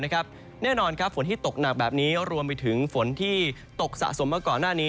แน่นอนฝนที่ตกหนักแบบนี้รวมไปถึงฝนที่ตกสะสมมาก่อนหน้านี้